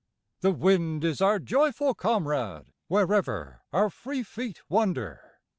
The wind is our joyful comrade wherever our free feet wander.